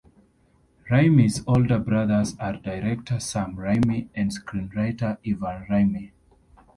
Raimi's older brothers are director Sam Raimi and screenwriter Ivan Raimi.